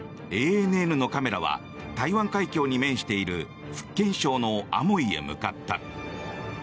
ＡＮＮのカメラは台湾海峡に面している福建省のアモイへ向かった。